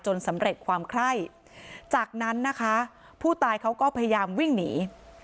สำเร็จความไคร่จากนั้นนะคะผู้ตายเขาก็พยายามวิ่งหนี